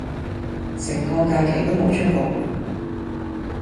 成個假期都無出過門